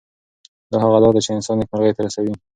دا هغه لار ده چې انسان نیکمرغۍ ته رسوي.